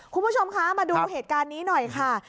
คุณผู้ชมคะมาดูเหตุการณ์นี้หน่อยค่ะ